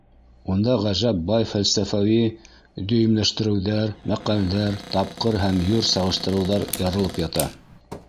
Унда ғәжәп бай фәлсәфәүи дөйөмләштереүҙәр, мәҡәлдәр, тапҡыр һәм йор сағыштырыуҙар ярылып ята: